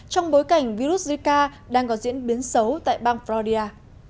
trong bối cảnh virus zika đang có diễn biến xấu tại bang flori